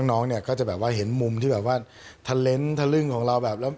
น้องก็จะเห็นมุมที่แบบว่าเทอร์เลนส์ทะลึ่งของเราแบบ